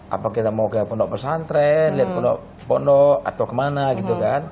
apa kita mau ke pondok pesantren lihat pondok atau kemana gitu kan